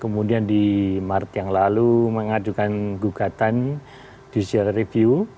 kemudian di maret yang lalu mengajukan gugatan judicial review